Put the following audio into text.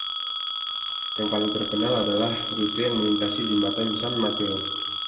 Yang paling terkenal adalah rute yang melintasi Jembatan San Mateo.